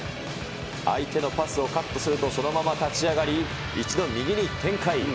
相手のパスをカットするとそのまま立ち上がり、一度、右に展開。